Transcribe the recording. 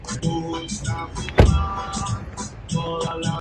El Profesor Dr. Richard Klein diseñó los premios.